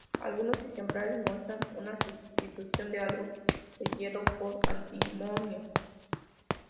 Algunos ejemplares muestran una sustitución de algo de hierro por antimonio.